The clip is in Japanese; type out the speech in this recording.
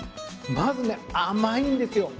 まずね甘いんですよ。